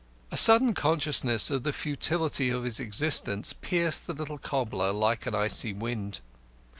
A sudden consciousness of the futility of his existence pierced the little cobbler like an icy wind.